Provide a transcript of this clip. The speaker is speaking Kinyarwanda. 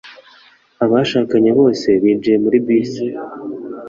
Abashakanye bose binjiye muri bisi.